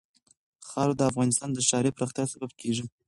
خاوره د افغانستان د ښاري پراختیا سبب کېږي.